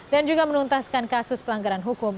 dan juga menuntaskan kasus pelanggaran hukum